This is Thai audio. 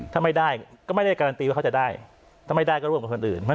ถ้าไม่ได้ก็ไม่ได้การันตีว่าเขาจะได้ถ้าไม่ได้ก็ร่วมกับคนอื่น